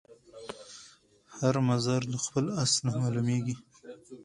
هر مضر له خپله اصله معلومیږي